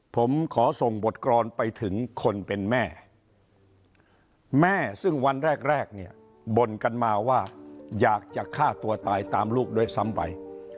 ผมขอส่งบทกรอนไปถึงคนเป็นแม่แม่ซึ่งวันแรกแรกเนี่ยบ่นกันมาว่าอยากจะฆ่าตัวตายตามลูกด้วยซ้ำไป